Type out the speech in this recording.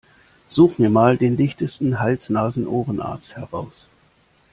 Such mir mal den dichtesten Hals-Nasen-Ohren-Arzt heraus!